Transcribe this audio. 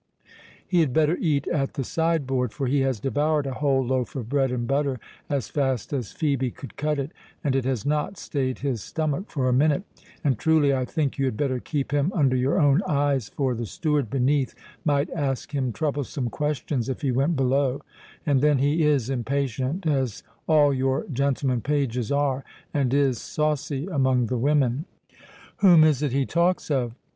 He had better eat at the sideboard; for he has devoured a whole loaf of bread and butter, as fast as Phœbe could cut it, and it has not staid his stomach for a minute—and truly I think you had better keep him under your own eyes, for the steward beneath might ask him troublesome questions if he went below—And then he is impatient, as all your gentlemen pages are, and is saucy among the women." "Whom is it he talks of?